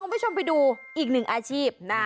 คุณผู้ชมไปดูอีกหนึ่งอาชีพนะ